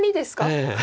ええ。